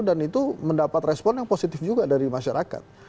dan itu mendapat respon yang positif juga dari masyarakat